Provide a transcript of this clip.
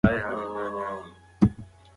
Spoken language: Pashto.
د خونې دېوالونه د ډېر باران له امله نمجن دي.